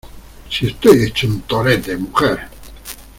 si estoy hecho un torete, mujer.